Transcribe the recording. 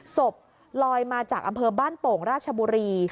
ศพลอยมาจากอำเภอบ้านโป่งราชบุรี